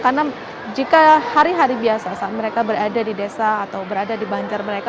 karena jika hari hari biasa saat mereka berada di desa atau berada di banjar mereka